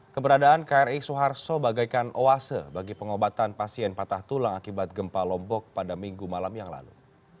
keberadaan kri suharto bagaikan oase bagi pengobatan pasien patah tulang akibat gempa lombok pada minggu malam yang lalu